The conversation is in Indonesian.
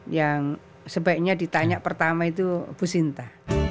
yang sebaiknya ditanya pertama itu bu sinta